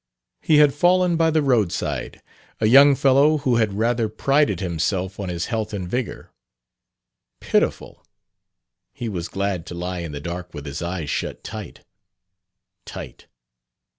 He had fallen by the roadside, a young fellow who had rather prided himself on his health and vigor. Pitiful! He was glad to lie in the dark with his eyes shut tight, tight.